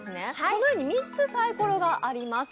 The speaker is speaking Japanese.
このように３つサイコロがあります